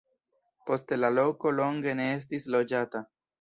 Poste la loko longe ne estis loĝata.